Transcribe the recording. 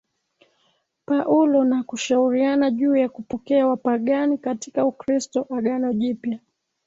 Paulo na kushauriana juu ya kupokea Wapagani katika Ukristo Agano Jipya